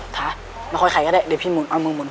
ถามาคอยไขก็ได้เดี๋ยวพี่หมุนเอามึงหมุน